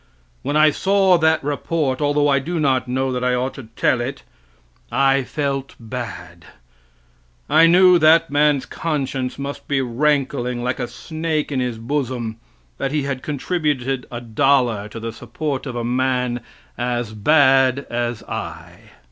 When I saw that report although I do not know that I ought to tell it I felt bad. I knew that man's conscience must be rankling like a snake in his bosom, that he had contributed a dollar to the support of a man as bad as I.